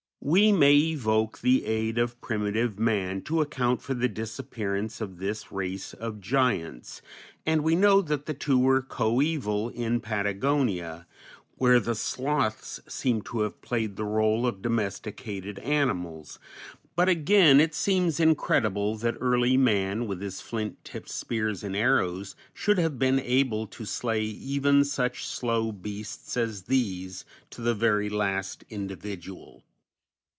We may evoke the aid of primitive man to account for the disappearance of this race of giants, and we know that the two were coeval in Patagonia, where the sloths seem to have played the rôle of domesticated animals, but again it seems incredible that early man, with his flint tipped spears and arrows, should have been able to slay even such slow beasts as these to the very last individual.